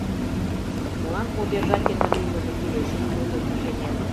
— Молан обязательно лиймыже кӱлеш? — йодо инженер.